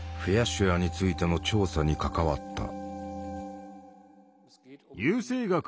シュアーについての調査に関わった。